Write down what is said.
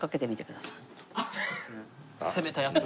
攻めたやつ。